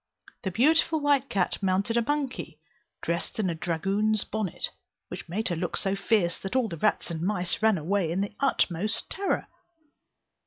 The beautiful white cat mounted a monkey, dressed in a dragoon's bonnet, which made her look so fierce that all the rats and mice ran away in the utmost terror.